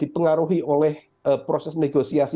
mengaruhi oleh proses negosiasi